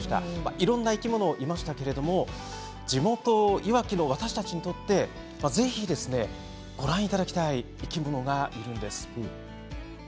いろいろな生き物がいましたけれども地元いわきの私たちにとってぜひ、ご覧いただきたい生き物がいるんです。